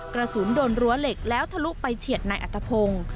กระสุนโดนรั้วเหล็กแล้วทะลุไปเฉียดนายอัตภพงศ์